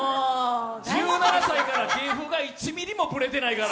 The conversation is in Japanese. １７歳から芸風が一ミリもぶれてないから。